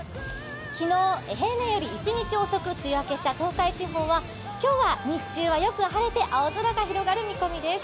昨日、平年より一日遅く梅雨明けした東海地方は今日は日中はよく晴れて青空が広がる見込みです。